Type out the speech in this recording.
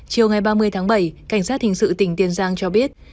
chiều ngày ba mươi tháng bảy cảnh sát hình sự tỉnh tiền giang cho biết